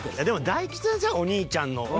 でも大吉先生お兄ちゃんの。